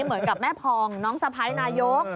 เหมือนกับแม่พองน้องสะพ้ายนายก